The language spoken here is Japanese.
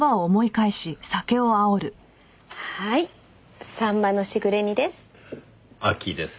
はいさんまの時雨煮です。